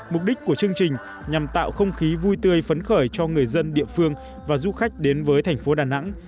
mục đích của chương trình nhằm tạo không khí vui tươi phấn khởi cho người dân địa phương và du khách đến với thành phố đà nẵng